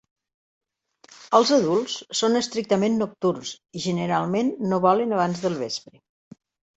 Els adults són estrictament nocturns i generalment no volen abans del vespre.